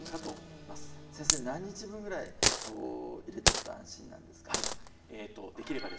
先生何日分ぐらい入れておくと安心なんですか？